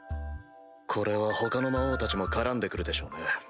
これは他の魔王たちも絡んで来るでしょうね。